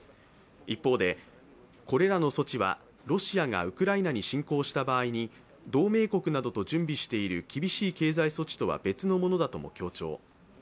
一方で、これらの措置はロシアがウクライナに侵攻した場合に同盟国などと準備している厳しい経済措置とは別のものだとも強調。